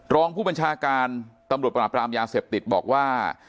รองผู้บัญชาการตำรวจปราบรามยาเสพติดบอกว่า